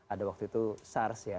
ada waktu itu sars ya